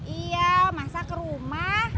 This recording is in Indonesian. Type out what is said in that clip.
iya masa ke rumah